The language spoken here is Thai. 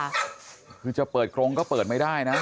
คือคือจะเปิดโกรฑ์ก็เปิดไม่ได้นะน่ะ